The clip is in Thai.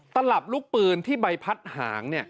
ตลับลูกปืนที่ใบพัดหาง